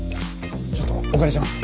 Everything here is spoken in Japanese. ちょっとお借りします。